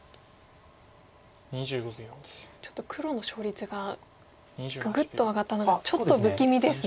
ちょっと黒の勝率がググッと上がったのがちょっと不気味ですね。